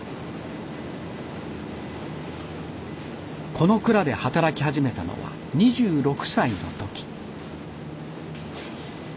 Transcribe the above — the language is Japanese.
この蔵で働き始めたのは２６歳の時。